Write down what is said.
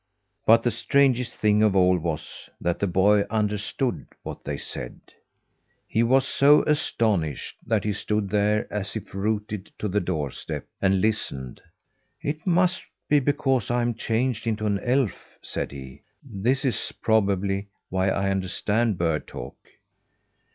But the strangest thing of all was, that the boy understood what they said. He was so astonished, that he stood there as if rooted to the doorstep, and listened. "It must be because I am changed into an elf," said he. "This is probably why I understand bird talk."